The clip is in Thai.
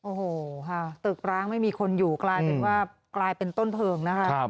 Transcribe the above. โอ้โหค่ะตึกร้างไม่มีคนอยู่กลายเป็นว่ากลายเป็นต้นเพลิงนะคะ